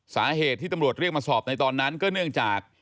สาเหตุที่ตำรวจเรียกมาสอบในตอนนั้นก็เนื่องจาก